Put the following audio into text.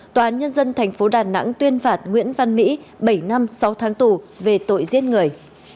tòa án nhân dân tp đà nẵng tuyên phạt nguyễn văn mỹ bảy năm sáu tháng tù về tội giết người